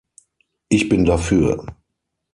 Ich bin dafür.